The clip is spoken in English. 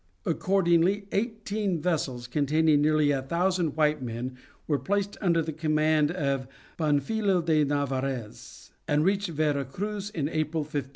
Accordingly eighteen vessels containing nearly a thousand white men were placed under the command of Panfilo de Narvaez, and reached Vera Cruz in April, 1520.